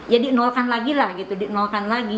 ya dienolkan lagi lah gitu dienolkan lagi